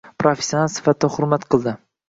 Professional sifatida hurmat qildi.